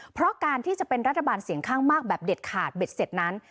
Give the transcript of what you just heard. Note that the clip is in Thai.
เพราะการที่จะเป็นรัฐบาลเสียงข้างมากแบบเด็ดขาดเบ็ดเสร็จนั้น